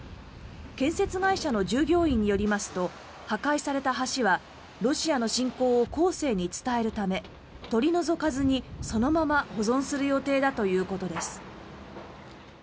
建設会社の従業員によりますと破壊された橋はロシアの侵攻を後世に伝えるため取り除かずに、そのまま保存する予定だということです。